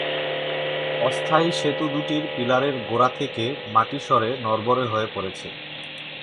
অস্থায়ী সেতু দুটির পিলারের গোড়া থেকে মাটি সরে নড়বড়ে হয়ে পড়েছে।